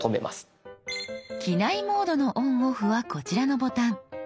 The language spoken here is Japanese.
「機内モード」のＯＮＯＦＦはこちらのボタン。